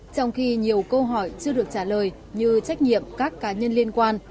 trong khi nhiều câu hỏi chưa được trả lời như trách nhiệm các cá nhân liên quan